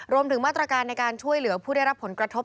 รวมถึงมาตรการในการช่วยเหลือผู้ได้รับผลกระทบ